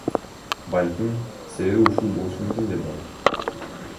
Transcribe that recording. Балким, себеби ушул болушу мүмкүн, — деди ал.